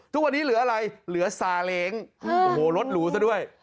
ทุกวันนี้เหลืออะไรเหลือซาเล้งโอ้โหรถหรูซะด้วย